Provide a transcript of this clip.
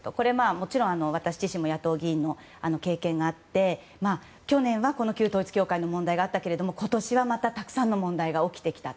もちろん私自身も野党議員の経験があって去年はこの旧統一教会の問題があったけれども今年はまたたくさんの問題が起きてきた。